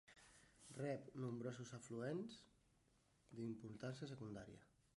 Rep nombrosos afluents d'importància secundària.